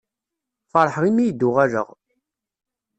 Feṛḥeɣ imi i d-uɣaleɣ.